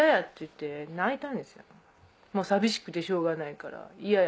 「もう寂しくてしょうがないから嫌や。